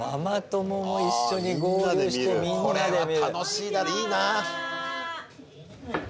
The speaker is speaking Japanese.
これは楽しいだろいいな。